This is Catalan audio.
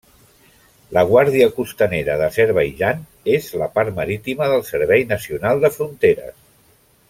La Guàrdia Costanera d'Azerbaidjan és la part marítima del Servei Nacional de Fronteres.